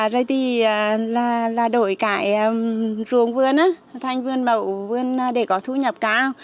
rồi thì đổi cải ruồng vườn thành vườn mẫu vườn để có thu nhập cao